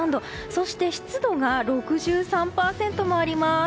そして湿度が６３％もあります。